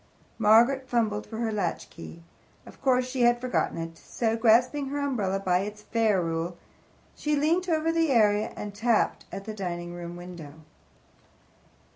Margaret fumbled for her latchkey. Of course she had forgotten it. So, grasping her umbrella by its ferrule, she leant over the area and tapped at the dining room window.